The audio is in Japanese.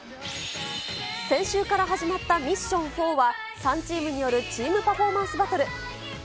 先週から始まったミッション４は、３チームによるチームパフォーマンスバトル。